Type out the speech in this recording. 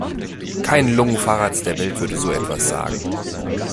Kein Lungenfacharzt der Welt würde so etwas sagen.